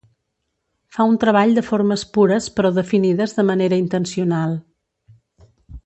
Fa un treball de formes pures però definides de manera intencional.